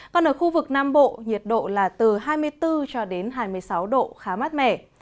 còn ở khu vực nam bộ nhiệt độ là từ hai mươi bốn cho đến hai mươi sáu độ khá mát mẻ